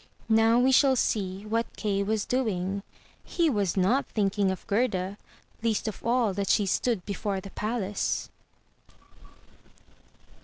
Now we shall see what Kay was doing. He was not think ing of Gerda, least of all that she stood before the palace.